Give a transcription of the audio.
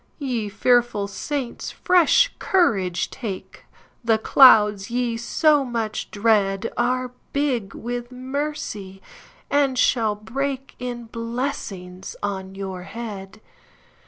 Ye fearful saints, fresh courage take, The clouds ye so much dreadAre big with mercy, and shall breakIn blessings on your head.